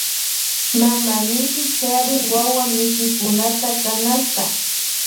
Mama misi charin wuwa misikunata canasta.